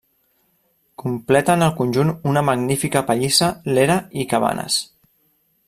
Completen el conjunt una magnífica pallissa, l'era i cabanes.